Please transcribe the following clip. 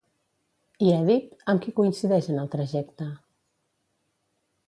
I Èdip, amb qui coincideix en el trajecte?